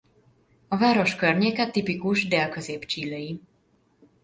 A város környéke tipikus dél-közép chilei.